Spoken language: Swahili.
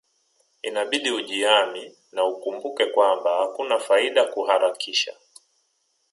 Inabidi ujihami na ukumbuke kwamba hakuna faida kuharakisha